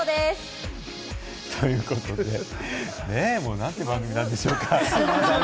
なんて番組なんでしょうか。